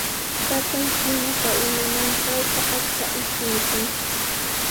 Taqay chiinapa umantrawqa achka ishkimi kan.